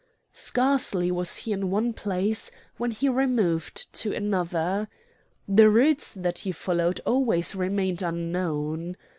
Scarcely was he in one place when he removed to another. The routes that he followed always remained unknown.